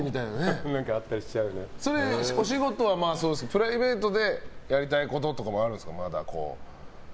お仕事はそうですけどプライベートでやりたいこととかあるんですか。